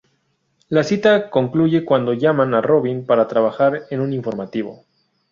La cita concluye cuando llaman a Robin para trabajar en un informativo.